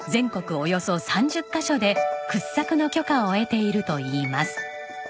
およそ３０カ所で掘削の許可を得ているといいます。